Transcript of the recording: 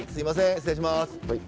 失礼します。